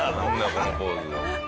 このポーズ。